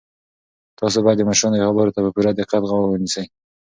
تاسو باید د مشرانو خبرو ته په پوره دقت غوږ ونیسئ.